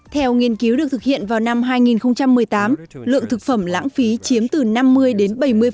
theo nghiên cứu được thực hiện vào năm hai nghìn một mươi tám lượng thực phẩm lãng phí chiếm từ năm mươi đến bảy mươi